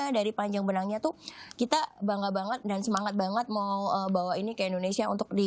dari panjang benangnya tuh kita bangga banget dan semangat banget mau bawa ini ke indonesia untuk di